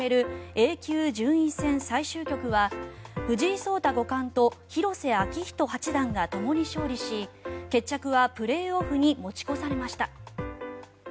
Ａ級順位戦最終局は藤井聡太五冠と広瀬章人八段がともに勝利し決着はプレーオフに持ち越されました。